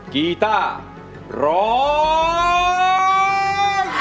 กีต้าร้อง